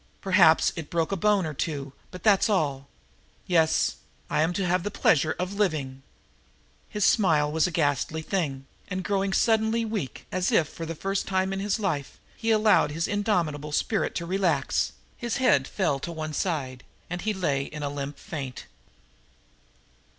Perhaps it broke a bone or two, but that's all. Yes, I am to have the pleasure of living." His smile was ghastly thing, and, growing suddenly weak, as if for the first time in his life he allowed his indomitable spirit to relax, his head fell to one side, and he lay in a limp faint.